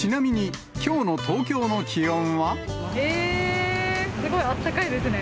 えー、すごいあったかいですね。